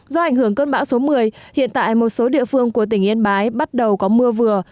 do ảnh hưởng cơn bão số một mươi hiện tại một số địa phương của tỉnh yên bái bắt đầu có mưa vừa